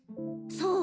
そう？